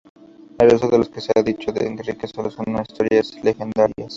El resto de lo que se ha dicho de Enrique solo son historias legendarias.